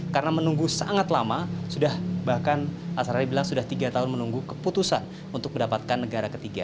karena menunggu sangat lama sudah bahkan asarali bilang sudah tiga tahun menunggu keputusan untuk mendapatkan negara ketiga